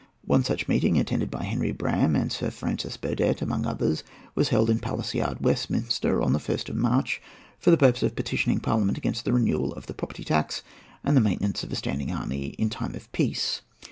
One such meeting, attended by Henry Brougham and Sir Francis Burdett among others, was held in Palace Yard, Westminster, on the 1st of March, for the purpose of petitioning Parliament against the renewal of the property tax and the maintenance of a standing army in time of peace.